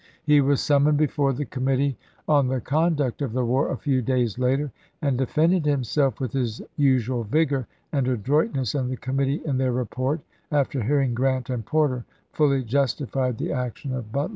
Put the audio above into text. He was summoned before the Committee on the Conduct of the War a few days later, and defended himself with his usual vigor and adroitness, and the Committee in their report, after hearing Grant and Porter, fully justified the action of Butler.